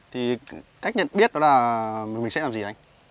thì cách nhận biết đó là mình sẽ làm gì anh